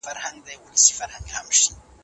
له کومه ځایه ډېر ږدن او پاڼي له کړکۍ راځي؟